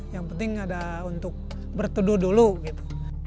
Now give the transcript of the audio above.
yang penting ada untuk bertuduh dulu gitu